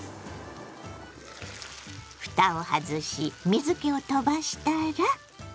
ふたを外し水けを飛ばしたら。